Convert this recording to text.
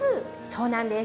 そうなんです。